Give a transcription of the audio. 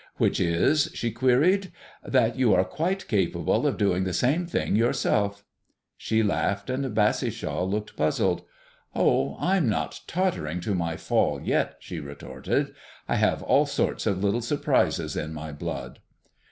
"Which is ?" she queried. "That you are quite capable of doing the same thing yourself." She laughed, and Bassishaw looked puzzled. "Oh, I'm not tottering to my fall yet," she retorted. "I have all sorts of little surprises in my blood."